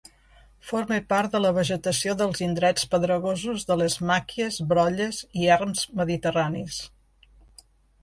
Forma part de la vegetació dels indrets pedregosos de les màquies, brolles i erms mediterranis.